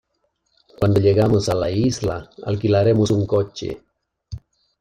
Cuando llegamos a la isla, alquilaremos un coche.